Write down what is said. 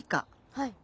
はい。